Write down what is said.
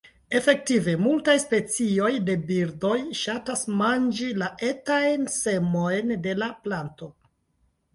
Efektive, multaj specioj de birdoj ŝatas manĝi la etajn semojn de la planto.